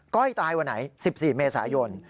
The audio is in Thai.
้อยตายวันไหน๑๔เมษายน